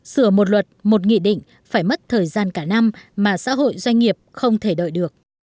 sửa một luật một nghị định phải mất thời gian cả năm mà xã hội doanh nghiệp không thể đợi được